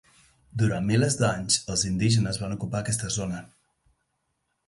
Durant milers d'anys, els indígenes van ocupar aquesta zona.